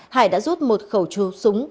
hải đã rút một khẩu chú súng